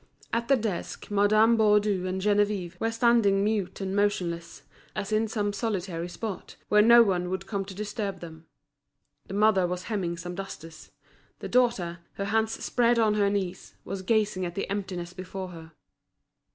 At the desk Madame Baudu and Geneviève were standing mute and motionless, as in some solitary spot, where no one would come to disturb them. The mother was hemming some dusters. The daughter, her hands spread on her knees, was gazing at the emptiness before her.